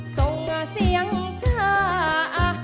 ส่งมาเสียงจ้า